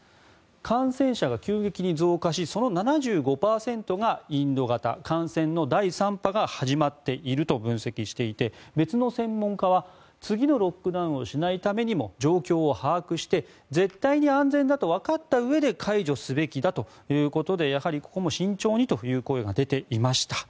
感染者が急激に増加しその７５％がインド型感染の第３波が始まっていると分析していて別の専門家は次のロックダウンをしないためにも状況を把握して絶対に安全だとわかったうえで解除すべきだということでやはりここも慎重にという声が出ていました。